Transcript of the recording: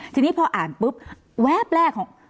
ทีนี้พออ่านปุ๊บแวบแรกของ